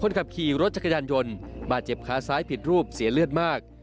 ขับขี่รถจักรยานยนต์บาดเจ็บขาซ้ายผิดรูปเสียเลือดมาก